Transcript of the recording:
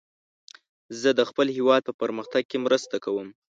زه د خپل هیواد په پرمختګ کې مرسته کوم.